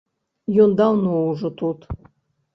Ён даўно ўжо тут.